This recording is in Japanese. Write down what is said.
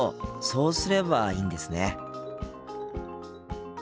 そうすればいいんですね。